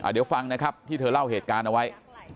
เดี๋ยวฟังนะครับที่เธอเล่าเหตุการณ์เอาไว้